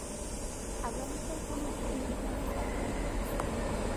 আগামীকাল কোন বিধি-বিধানই থাকবে না।